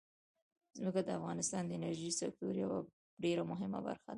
ځمکه د افغانستان د انرژۍ سکتور یوه ډېره مهمه برخه ده.